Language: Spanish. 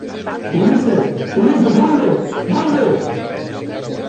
¡ Ulises! ¡ Ulises, vuelve !¡ vuelve !